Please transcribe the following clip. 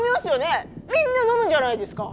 みんな飲むんじゃないですか。